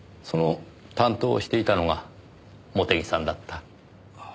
その担当をしていたのが茂手木さんだった。